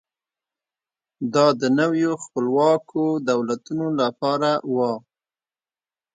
دا د نویو خپلواکو دولتونو لپاره و.